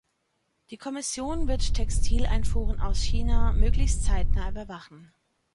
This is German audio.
Die Kommission wird Textileinfuhren aus China möglichst zeitnah überwachen.